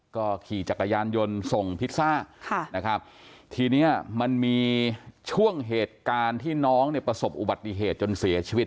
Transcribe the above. ก็ขี่จักรยานยนต์ส่งพิซซ่าค่ะนะครับทีเนี้ยมันมีช่วงเหตุการณ์ที่น้องเนี่ยประสบอุบัติเหตุจนเสียชีวิต